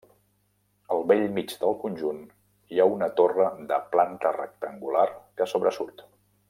Al bell mig del conjunt hi ha una torre de planta rectangular que sobresurt.